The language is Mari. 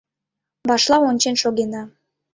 Вашла ончен шогена.